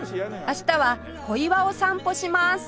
明日は小岩を散歩します